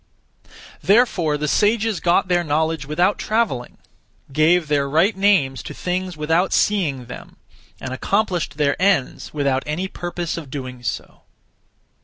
Therefore the sages got their knowledge without travelling; gave their (right) names to things without seeing them; and accomplished their ends without any purpose of doing so.